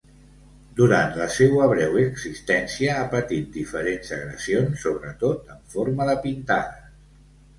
Durant la seua breu existència, ha patit diferents agressions, sobretot en forma de pintades.